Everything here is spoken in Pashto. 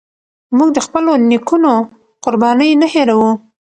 موږ د خپلو نيکونو قربانۍ نه هيروو.